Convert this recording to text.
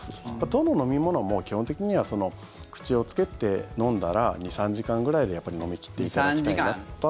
どの飲み物も基本的には口をつけて飲んだら２３時間ぐらいでやっぱり飲み切っていただきたいなと。